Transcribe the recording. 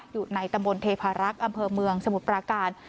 อยู่ในตำบลเทพารักษ์อำเภอเมืองสมุทรปราการ